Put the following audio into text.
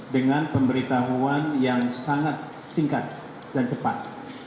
dengan pemberitahuan yang sangat singkat dan cepat